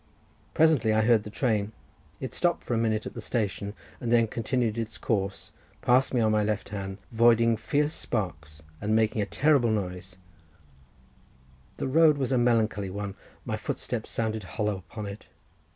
Presently I heard the train—it stopped for a minute at the station, and then continuing its course, passed me on my left hand, voiding fierce sparks, and making a terrible noise—the road was a melancholy one; my footsteps sounded hollow upon it.